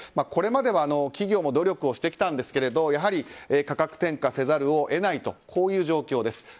これまでは企業も努力をしてきたんですけどやはり価格を変化せざるを得ないというこういう状況です。